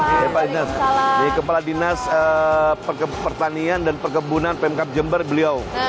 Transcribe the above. ini pak inas ini kepala dinas pertanian dan perkebunan pemkap jember beliau